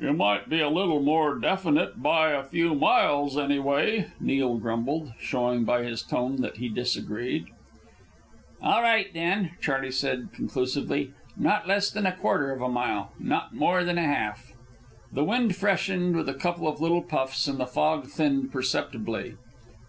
"You might be a little more definite by a few miles, anyway," Neil grumbled, showing by his tone that he disagreed. "All right, then," Charley said, conclusively, "not less than a quarter of a mile, not more than a half." The wind freshened with a couple of little puffs, and the fog thinned perceptibly.